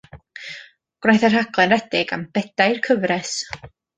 Gwnaeth y rhaglen redeg am bedair cyfres.